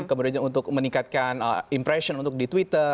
kemudian untuk meningkatkan impression untuk di twitter